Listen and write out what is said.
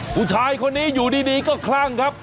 ผู้ชายคนนี้อยู่ดีก็คลั่งครับ